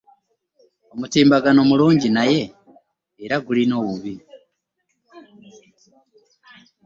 Omutimbagano mulungi naye era gulina ebibi.